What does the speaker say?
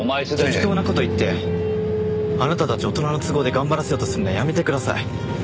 適当な事言ってあなたたち大人の都合で頑張らせようとするのはやめてください。